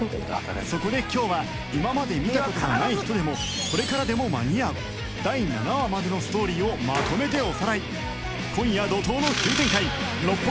そこで今日は今まで見た事がない人でもこれからでも間に合う第７話までのストーリーをまとめておさらい！